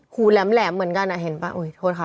หูแหลมเหมือนกันอ่ะเห็นป่ะโทษค่ะ